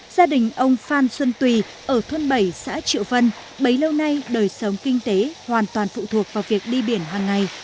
gia đình ông phan xuân tùy ở thôn bảy xã triệu vân bấy lâu nay đời sống kinh tế hoàn toàn phụ thuộc vào việc đi biển hàng ngày